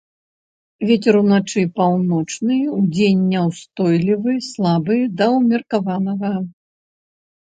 Вецер уначы паўночны, удзень няўстойлівы слабы да ўмеркаванага.